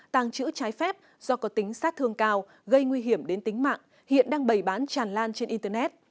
tàng trữ trái phép do có tính sát thương cao gây nguy hiểm đến tính mạng hiện đang bày bán tràn lan trên internet